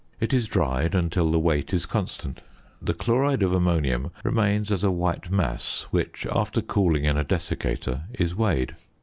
It is dried until the weight is constant. The chloride of ammonium remains as a white mass which, after cooling in a desiccator, is weighed.